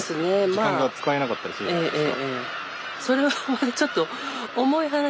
時間が使えなかったりするじゃないですか。